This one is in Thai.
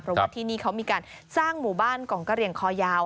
เพราะว่าที่นี่เขามีการสร้างหมู่บ้านกองกะเหลี่ยงคอยาว